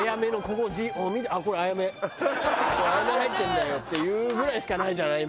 ここあやめ入ってんだよ」っていうぐらいしかないじゃない